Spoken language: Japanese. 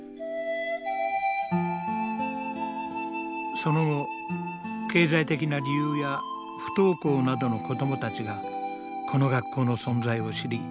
その後経済的な理由や不登校などの子どもたちがこの学校の存在を知り